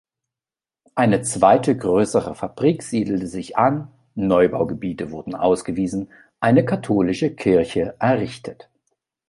Eine zweite größere Fabrik siedelte sich an, Neubaugebiete wurden ausgewiesen, eine katholische Kirche errichtet.